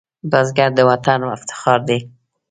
بزګر د وطن افتخار دی